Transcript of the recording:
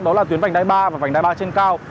đó là tuyến vành đai ba và vành đai ba trên cao